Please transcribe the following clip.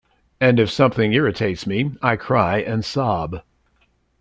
And if something irritates me, I cry and sob.